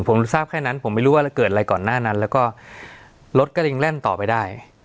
ผมรู้ว่าการยิงเกิดอะไรก่อนแล้วมีรถกระต่างต่อไปได้